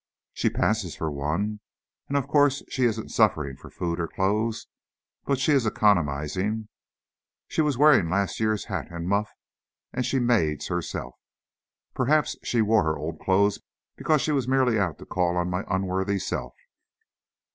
"She passes for one, and, of course, she isn't suffering for food or clothes. But she is economizing. She was wearing her last year's hat and muff, and she maids herself." "Perhaps she wore her old clothes because she was merely out to call on my unworthy self."